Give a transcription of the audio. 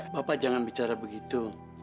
bapak jangan bicara begitu